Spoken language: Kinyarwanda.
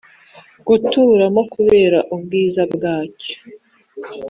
guturamo kubera ubwiza bwacyo.